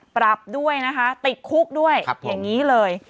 ปรับด้วยนะคะติดคุกด้วยอย่างนี้เลย